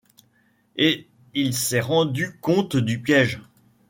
Et il s’est rendu compte du piège.